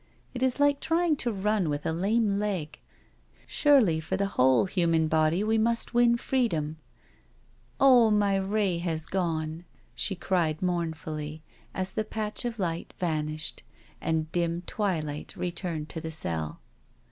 It is like trying to run with a lame leg. Surely, for the whole human body we must win free dom. ... Oh, my ray has gonel*' she cried mourn fully, as the patch of light vanished, and dim twilight returned to the cell.